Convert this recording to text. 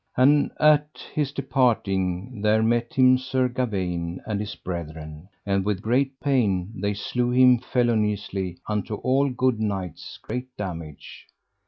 And at his departing there met him Sir Gawaine and his brethren, and with great pain they slew him feloniously, unto all good knights' great damage.